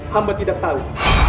hamba tidak tahu